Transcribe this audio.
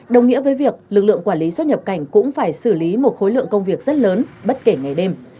đồng nghĩa với việc lực lượng quản lý xuất nhập cảnh cũng phải xử lý một khối lượng công việc rất lớn bất kể ngày đêm